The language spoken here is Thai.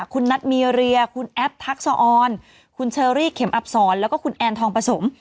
คุณนัทมีเรียคุณแอปทักษะออนคุณเชอรี่เข็มอับศรแล้วก็คุณแอนทองผสม